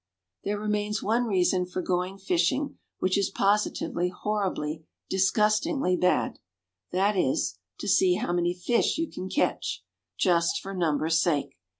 There remains one reason for going fishing which is positively horribly, disgustingly bad that is, to see how many fish you can catch, just for numbers' sake.